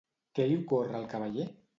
Què li ocorre al cavaller?